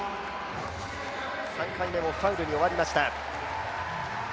３回目もファウルに終わりました。